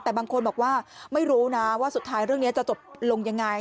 แต่บางคนบอกว่าไม่รู้นะว่าสุดท้ายเรื่องนี้จะจบลงยังไง